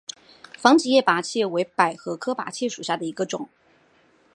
防己叶菝葜为百合科菝葜属下的一个种。